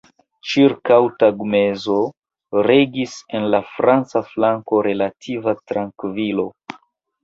Ĉirkaŭ tagmezo regis en la franca flanko relativa trankvilo.